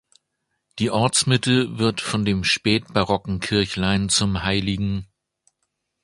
Die Ortsmitte wird von dem spätbarocken Kirchlein zum hl.